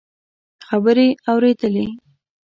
خبرې اورېدلې.